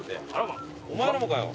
お前のもかよ。